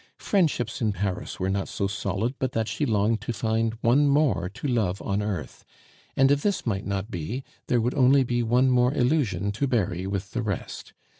Friendships in Paris were not so solid but that she longed to find one more to love on earth; and if this might not be, there would only be one more illusion to bury with the rest.